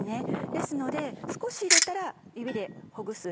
ですので少し入れたら指でほぐす。